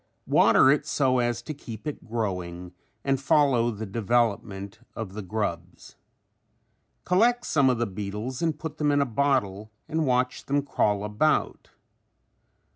Water it so as to keep it growing and follow the development of the grubs. Collect some of the beetles and put them in a bottle and watch them crawl about.